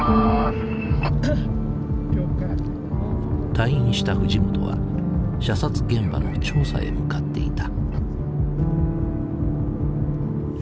退院した藤本は射殺現場の調査へ向かっていた。